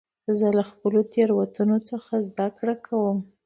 زه له خپلو تېروتنو څخه زدهکړه کوم.